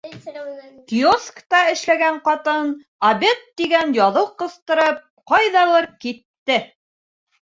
Киоскта эшләгән ҡатын «обед» тигән яҙыу ҡыҫтырып, ҡайҙалыр китте.